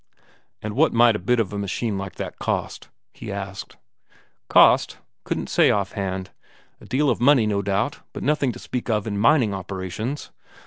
"And what might a bit of a machine like that cost?" he asked. Cost? Couldn't say off hand a deal of money, no doubt, but nothing to speak of in mining operations.